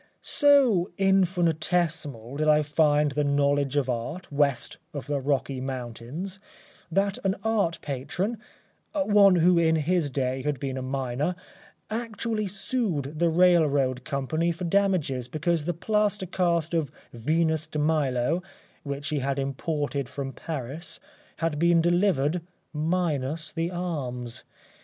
ŌĆØ So infinitesimal did I find the knowledge of Art, west of the Rocky Mountains, that an art patron one who in his day had been a miner actually sued the railroad company for damages because the plaster cast of Venus of Milo, which he had imported from Paris, had been delivered minus the arms.